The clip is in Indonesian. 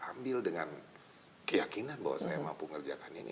ambil dengan keyakinan bahwa saya mampu ngerjakan ini